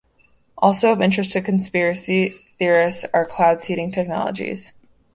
Also of interest to conspiracy theorists are cloud-seeding technologies.